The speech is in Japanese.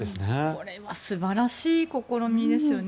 これは素晴らしい試みですよね。